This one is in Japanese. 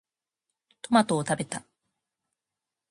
トマトを食べた。